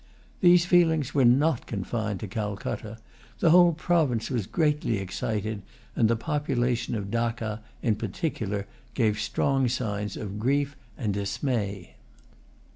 These feelings were not confined to Calcutta. The whole province was greatly excited; and the population of Dacca, in particular, gave strong signs of grief and dismay.